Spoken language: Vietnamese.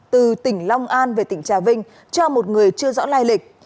từ tỉnh long an về tỉnh trà vinh cho một người chưa rõ lai lịch